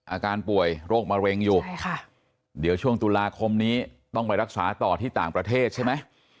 อาการป่วยโรคมะเร็งอยู่ใช่ค่ะเดี๋ยวช่วงตุลาคมนี้ต้องไปรักษาต่อที่ต่างประเทศใช่ไหม